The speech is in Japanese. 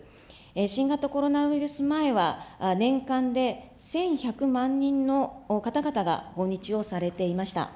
新型コロナウイルス前は、年間で１１００万人の方々が訪日をされていました。